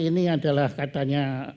karena ini adalah katanya